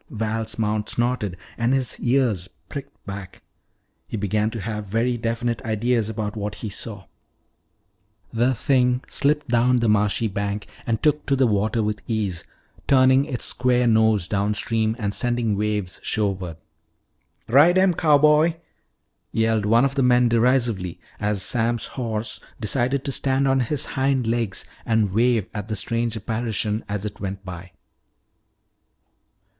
Val's mount snorted and his ears pricked back. He began to have very definite ideas about what he saw. The thing slipped down the marshy bank and took to the water with ease, turning its square nose downstream and sending waves shoreward. "Ride 'em, cowboy!" yelled one of the men derisively as Sam's horse decided to stand on his hind legs and wave at the strange apparition as it went by.